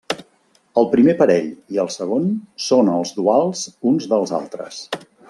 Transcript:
El primer parell i el segon són els duals uns dels altres.